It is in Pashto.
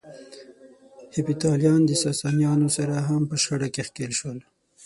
هېپتاليان د ساسانيانو سره هم په شخړه کې ښکېل شول.